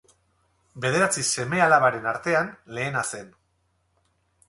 Bederatzi seme-alabaren artean lehena zen.